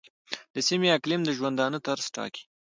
د سیمې اقلیم د ژوندانه طرز ټاکي.